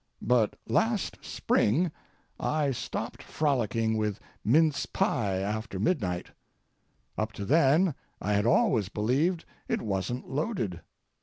But last spring I stopped frolicking with mince pie after midnight; up to then I had always believed it wasn't loaded.